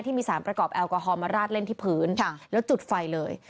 มีการประกอบแอลกอฮอลมาราดเล่นที่พื้นแล้วจุดไฟเลย